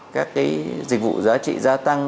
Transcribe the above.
các cái dịch vụ giá trị gia tăng